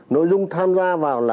nội dung tham gia vào